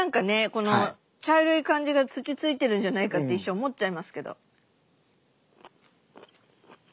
この茶色い感じが土ついてるんじゃないかって一瞬思っちゃいますけど。